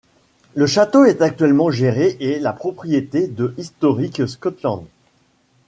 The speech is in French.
Le château est actuellement gérée et la propriété de Historic Scotland.